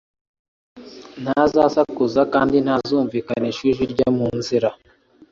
ntazasakuza, kandi ntazumvikanisha ijwi rye mu nzira.